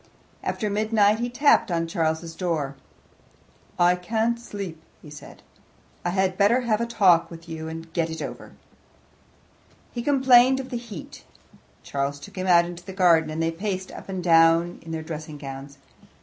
After midnight he tapped on Charles's door. "I can't sleep," he said. "I had better have a talk with you and get it over." He complained of the heat. Charles took him out into the garden, and they paced up and down in their dressing gowns.